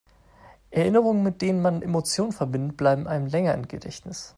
Erinnerungen, mit denen man Emotionen verbindet, bleiben einem länger im Gedächtnis.